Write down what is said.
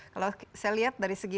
kalau saya lihat dari segi